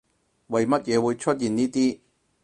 為乜嘢會出現呢啲